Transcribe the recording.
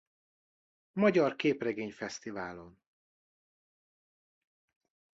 Magyar Képregény Fesztiválon.